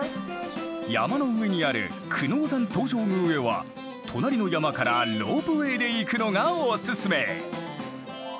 山の上にある久能山東照宮へは隣の山からロープウェイで行くのがおすすめ！